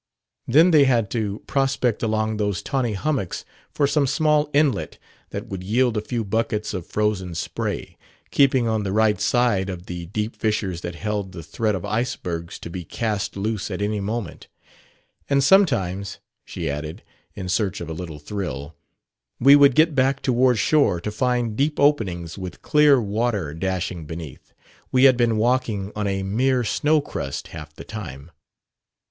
Then they had to prospect along those tawny hummocks for some small inlet that would yield a few buckets of frozen spray, keeping on the right side of the deep fissures that held the threat of icebergs to be cast loose at any moment; "and sometimes," she added, in search of a little thrill, "we would get back toward shore to find deep openings with clear water dashing beneath we had been walking on a mere snow crust half the time."